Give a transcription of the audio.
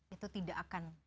itu tidak akan